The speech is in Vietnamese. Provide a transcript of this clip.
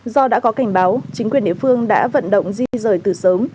do đã có cảnh báo chính quyền địa phương đã vận động di rời từ sớm